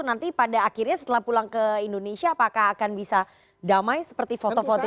nanti pada akhirnya setelah pulang ke indonesia apakah akan bisa damai seperti foto foto